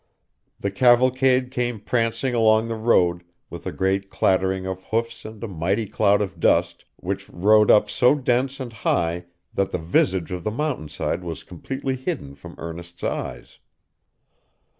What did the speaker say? The cavalcade came prancing along the road, with a great clattering of hoofs and a mighty cloud of dust, which rose up so dense and high that the visage of the mountainside was completely hidden from Ernest's eyes.